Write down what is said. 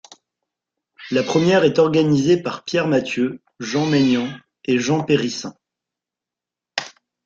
La première est organisée par Pierre Matthieu, Jean Maignan et Jean Perrissin.